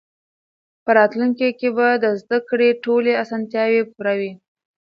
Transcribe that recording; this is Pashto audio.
په راتلونکي کې به د زده کړې ټولې اسانتیاوې پوره وي.